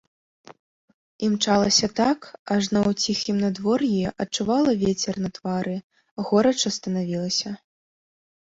Імчалася так, ажно ў ціхім надвор'і адчувала вецер на твары, горача станавілася.